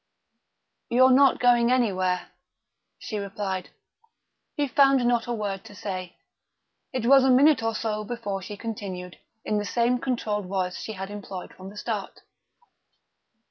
"You're not going anywhere," she replied. He found not a word to say. It was a minute or so before she continued, in the same controlled voice she had employed from the start.